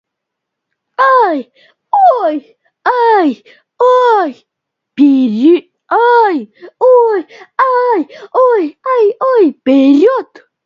Ну и как верно подметил сегодня наш германский коллега, компромисс причинит боль всем нам.